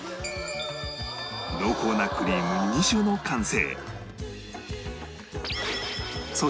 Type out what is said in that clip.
濃厚なクリーム２種の完成